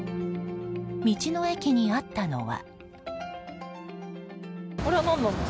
道の駅にあったのは。